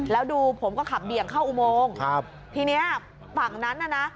แล้วดูผมก็ขับเบี่ยงเข้าอุโมงครับทีเนี้ยฝั่งนั้นน่ะนะ